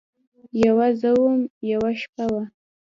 یوه زه وم ، یوه شپه وه